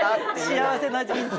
幸せな人生。